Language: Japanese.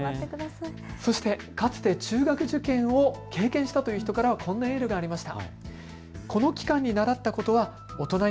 そして、かつて中学受験を経験したという人からはこんなエールがありました。